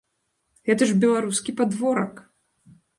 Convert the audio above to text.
Гэта ж беларускі падворак!